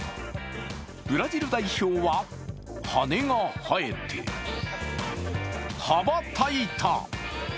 ブラジル代表は、羽が生えて、羽ばたいた。